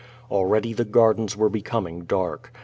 Already the gardens were becoming dark.